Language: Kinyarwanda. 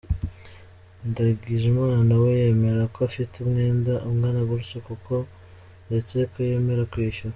Ndagijimana we yemera ko afite umwenda ungana gutyo koko ndetse ko yemera kwishyura.